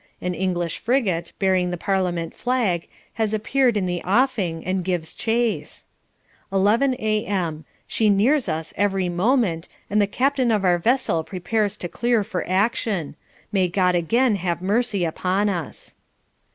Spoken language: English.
An English frigate, bearing the Parliament flag, has appeared in the offing, and gives chase. 11 A.M. She nears us every moment, and the captain of our vessel prepares to clear for action. May God again have mercy upon us!'